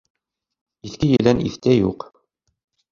Иҫке елән иҫтә юҡ.